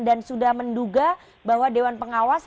dan sudah menduga bahwa dewan pengawas